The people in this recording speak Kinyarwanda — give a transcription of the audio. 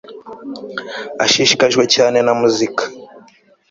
Ashishikajwe cyane na muzika